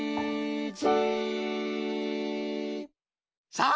さあ！